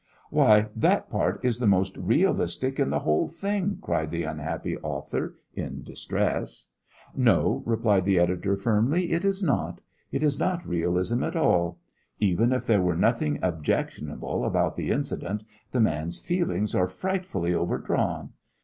"Why, that part is the most realistic in the whole thing!" cried the unhappy author, in distress. "No," replied the editor, firmly, "it is not. It is not realism at all. Even if there were nothing objectionable about the incident, the man's feelings are frightfully overdrawn.